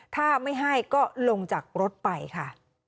ถ้าไม่ให้ก็ลงจากรถไปค่ะ